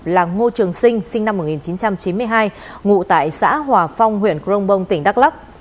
là ngô trường sinh năm một nghìn chín trăm chín mươi hai ngụ tại xã hòa phong huyện crong bong tỉnh đắk lắc